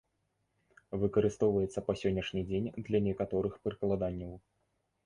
Выкарыстоўваецца па сённяшні дзень для некаторых прыкладанняў.